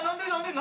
何？